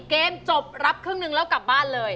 เกมจบรับครึ่งหนึ่งแล้วกลับบ้านเลย